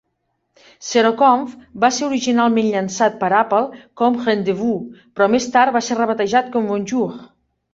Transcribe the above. Zeroconf va ser originalment llançat per Apple com Rendezvous, però més tard va ser rebatejat com Bonjour.